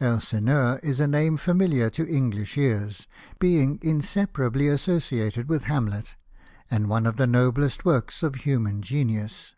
Elsineur is a name familiar to English ears, being inseparably associated with Hamlet, and one ot the noblest work's of human genius.